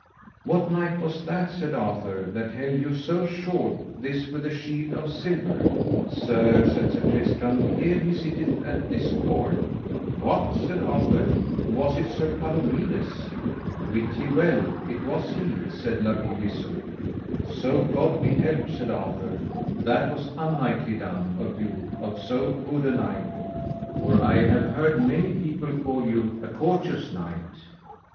What knight was that, said Arthur, that held you so short, this with the shield of silver? Sir, said Sir Tristram, here he sitteth at this board. What, said Arthur, was it Sir Palomides? Wit ye well it was he, said La Beale Isoud. So God me help, said Arthur, that was unknightly done of you of so good a knight, for I have heard many people call you a courteous knight.